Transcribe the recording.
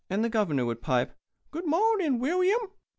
The Governor would pipe: "Good morning, William."